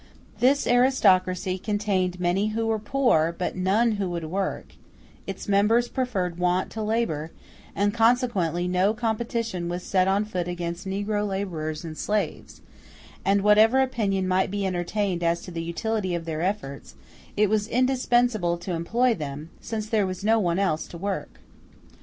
This aristocracy contained many who were poor, but none who would work; its members preferred want to labor, consequently no competition was set on foot against negro laborers and slaves, and, whatever opinion might be entertained as to the utility of their efforts, it was indispensable to employ them, since there was no one else to work.